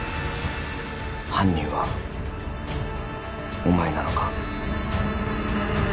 犯人はお前なのか？